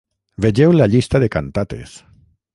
Vegeu la llista de cantates.